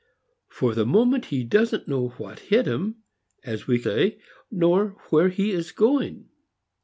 For the moment he doesn't know what hit him, as we say, nor where he is going.